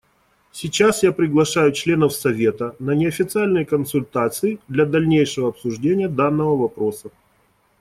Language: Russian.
Сейчас я приглашаю членов Совета на неофициальные консультации для дальнейшего обсуждения данного вопроса.